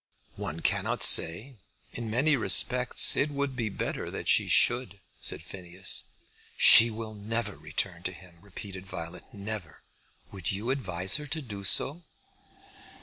"One cannot say. In many respects it would be better that she should," said Phineas. "She will never return to him," repeated Violet, "never. Would you advise her to do so?"